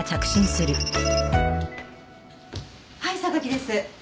はい榊です。